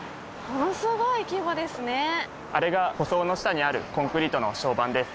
あれが舗装の下にあるコンクリートの床版です。